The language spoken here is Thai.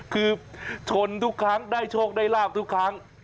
คือชนทุกครั้งได้โชคได้ลาบทุกครั้ง